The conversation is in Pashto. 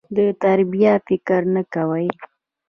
د تربيې فکر نه کوي.